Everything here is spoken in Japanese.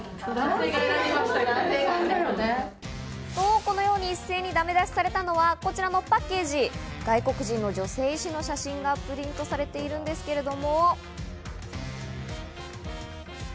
このように、一斉にダメ出しされたのは、こちらのパッケージ、外国人の女性医師の写真がプリントされているんですけれども。